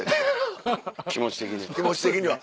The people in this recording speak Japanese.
気持ち的には。